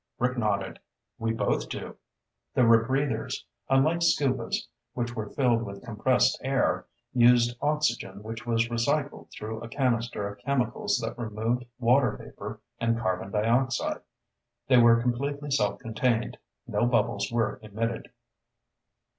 Rick nodded. "We both do." The rebreathers, unlike Scubas, which were filled with compressed air, used oxygen which was recycled through a canister of chemicals that removed water vapor and carbon dioxide. They were completely self contained; no bubbles were emitted.